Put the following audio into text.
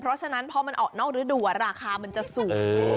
เพราะฉะนั้นพอมันออกนอกฤดูราคามันจะสูง